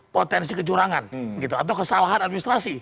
potensi kecurangan gitu atau kesalahan administrasi